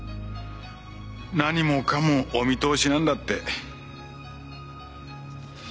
何もかもお見通しなんだって。